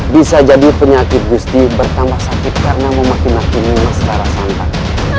bisa jadi penyakit gusti bertambah sakit karena memakimakini mas rara santong